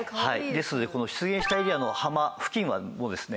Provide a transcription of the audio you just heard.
ですので出現したエリアの浜付近もですね